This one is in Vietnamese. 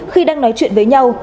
khi đang nói chuyện với nhau